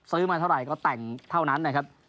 มาเท่าไหร่ก็แต่งเท่านั้นนะครับ